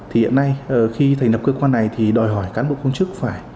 hiện nay khi thành đập cơ quan này đòi hỏi cán bộ công chức